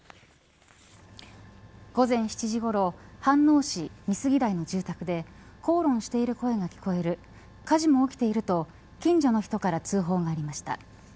午前７時ごろ飯能市美杉台の住宅で口論してる声が聞こえる火事も起きていると近所の人から通報がありました。